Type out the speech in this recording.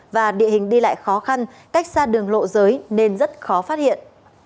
và địa hình đi lại khó khăn cách xa đường lộ giới nên rất khó phát hiện